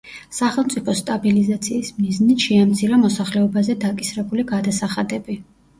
სახელმწიფოს სტაბილიზაციის მიზნით შეამცირა მოსახლეობაზე დაკისრებული გადასახადები.